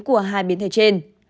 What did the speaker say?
của hai biến thể trên